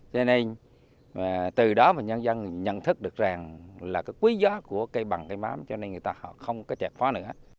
cho nên từ đó mà nhân dân nhận thức được rằng là cái quý gió của cây bần cây mắm cho nên người ta không có chạy phó nữa